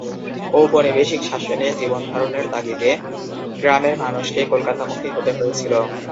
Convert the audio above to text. ঔপনিবেশিক শাসনে জীবনধারণের তাগিদে গ্রামের মানুষকে কলকাতামুখী হতে হয়েছিল।